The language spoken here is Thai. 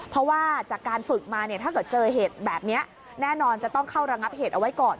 เพราะว่าจากการฝึกมาเนี่ยถ้าเกิดเจอเหตุแบบนี้แน่นอนจะต้องเข้าระงับเหตุเอาไว้ก่อน